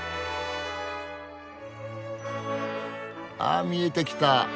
あ見えてきた。